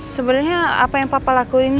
sebenarnya apa yang papa lakuin